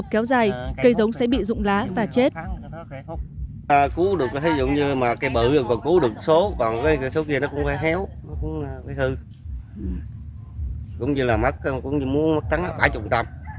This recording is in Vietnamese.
nếu không có đường thoát nước nếu nước ngập kéo dài cây giống sẽ bị rụng lá và chết